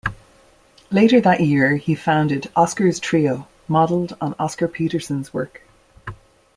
Later that year he founded "Oscar's Trio", modeled on Oscar Peterson's work.